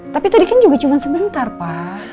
tapi tadi kan juga cuma sebentar pak